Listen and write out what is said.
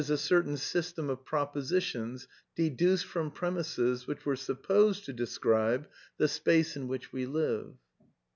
a certain system of propositions deduced from premisses which were supposed to describe the space in which we live.'